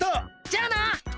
じゃあな。